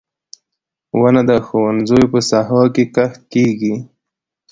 • ونه د ښوونځیو په ساحو کې کښت کیږي.